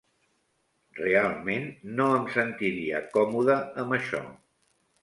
Realment, no em sentiria còmode amb això.